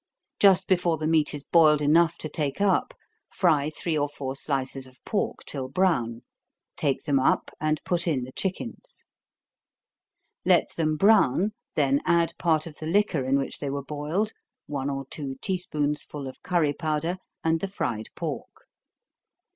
Just before the meat is boiled enough to take up, fry three or four slices of pork till brown take them up, and put in the chickens. Let them brown, then add part of the liquor in which they were boiled, one or two tea spoonsful of curry powder, and the fried pork.